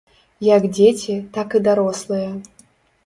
Як дзеці, так і дарослыя.